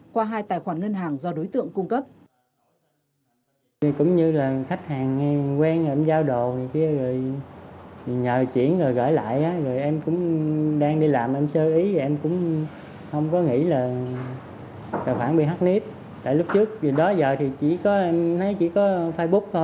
qua hai tài khoản ngân hàng do đối tượng cung cấp